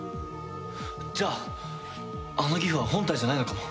じゃああのギフは本体じゃないのかも。